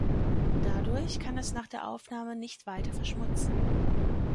Dadurch kann es nach der Aufnahme nicht weiter verschmutzen.